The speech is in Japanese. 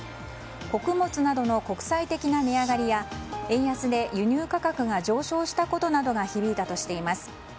穀物などの国際的な値上がりや円安で輸入価格が上昇したことなどが響いたとしています。